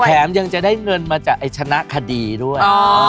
แถมยังจะได้เงินมาจากไอ้ชนะคดีด้วย